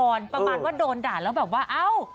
ประมาณว่าโดนด่าแล้วแบบว่าเอ้า